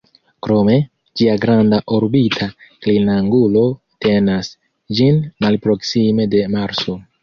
Krome, ĝia granda orbita klinangulo tenas ĝin malproksime de Marso.